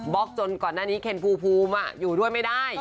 จนก่อนหน้านี้เคนภูมิอยู่ด้วยไม่ได้